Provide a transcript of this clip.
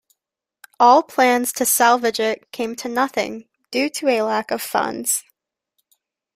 All plans to salvage it came to nothing, due to a lack of funds.